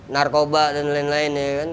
narkoba dan lain lain ya kan